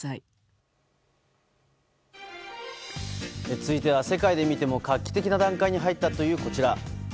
続いては、世界で見ても画期的な段階に入ったというこちら。